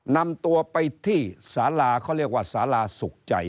นำตัวไปที่สาราเขาเรียกว่าสาราสุขใจ